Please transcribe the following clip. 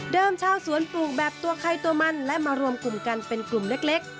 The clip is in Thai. ชาวสวนปลูกแบบตัวใครตัวมันและมารวมกลุ่มกันเป็นกลุ่มเล็ก